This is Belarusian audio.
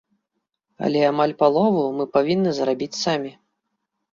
Але амаль палову мы павінны зарабіць самі.